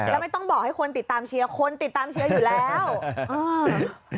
แล้วไม่ต้องบอกให้คนติดตามเชียร์คนติดตามเชียร์อยู่แล้วอ่า